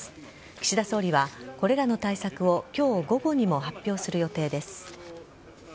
岸田総理はこれらの対策を今日午後にも発表する予定です。